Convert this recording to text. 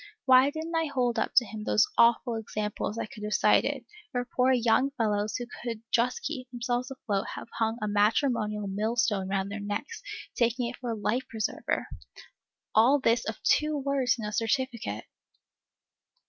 Why did n't I hold up to him those awful examples I could have cited, where poor young fellows who could just keep themselves afloat have hung a matrimonial millstone round their necks, taking it for a life preserver? All this of two words in a certificate!